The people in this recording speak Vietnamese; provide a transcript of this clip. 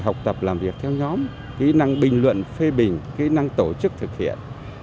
học tập làm việc theo nhóm kỹ năng bình luận phê bình kỹ năng tổ chức kỹ năng về tổ chức kỹ năng bình luận